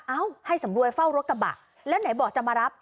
เอ้าให้สำรวยเฝ้ารถกระบะแล้วไหนบอกจะมารับ